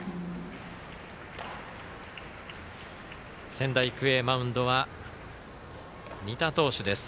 仙台育英マウンドは仁田投手です。